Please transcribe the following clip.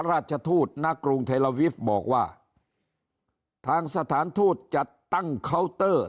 ราชทูตณกรุงเทลาวิฟต์บอกว่าทางสถานทูตจัดตั้งเคาน์เตอร์